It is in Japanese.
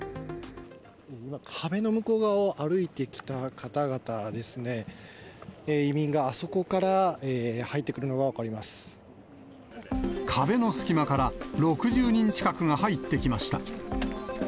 今、壁の向こう側を歩いてきた方々ですね、移民があそこから入ってく壁の隙間から、６０人近くが入ってきました。